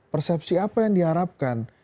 persepsi apa yang diharapkan